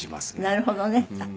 なるほどね。